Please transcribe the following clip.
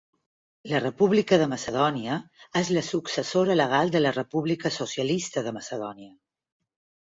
La República de Macedònia és la successora legal de la República Socialista de Macedònia.